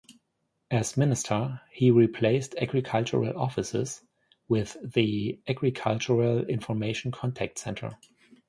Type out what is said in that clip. As Minister, he replaced agricultural offices with the Agricultural Information Contact Centre.